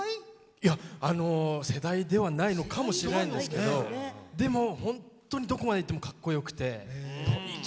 いやあの世代ではないのかもしれないですけどでもほんとにどこまでいってもかっこよくてとにかく。